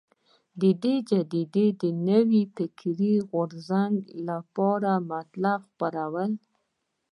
دې جریدې د نوي فکري غورځنګ لپاره مطالب خپرول.